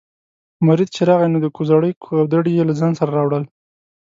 مرید چې راغی نو د کوزړۍ کودوړي یې له ځانه سره راوړل.